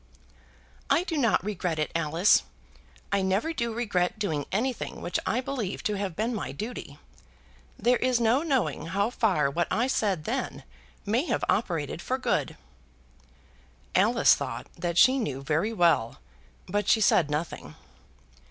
"I do not regret it, Alice. I never do regret doing anything which I believe to have been my duty. There is no knowing how far what I said then may have operated for good." Alice thought that she knew very well, but she said nothing.